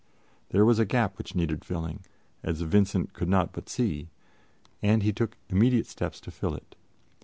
There was a gap which needed filling, as Vincent could not but see, and he took immediate steps to fill it.